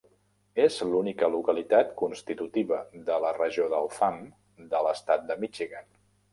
És l'única localitat constitutiva de la regió del Thumb de l'estat de Michigan.